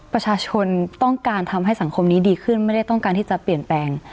ประชาชนต้องการทำให้สังคมนี้ดีขึ้นไม่ได้ต้องการที่จะเปลี่ยนแปลง